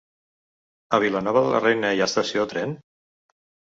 A Vilanova de la Reina hi ha estació de tren?